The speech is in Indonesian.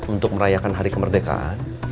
untuk merayakan hari kemerdekaan